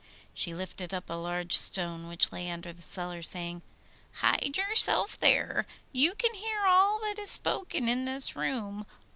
She lifted up a large stone which lay over the cellar, saying, 'Hide yourself there; you can hear all that is spoken in this room.